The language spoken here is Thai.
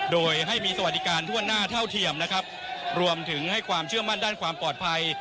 โดยให้มีสวัสดิการทั่วหน้าเท่าเทียมนะครับรวมถึงให้ความเชื่อมั่นด้านความปลอดภัย